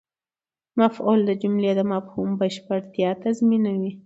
مفعول د جملې د مفهوم بشپړتیا تضمینوي.